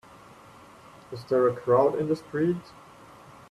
Is there a crowd in the street?